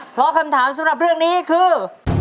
เพราะคำถามสำหรับเรื่องนี้คือ